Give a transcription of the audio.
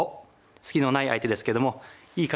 隙のない相手ですけども“いい